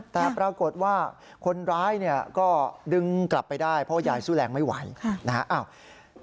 แต่ปรากฏว่าคนร้ายก็ดึงกลับไปได้เพราะว่ายายสู้แรงไม่ไหว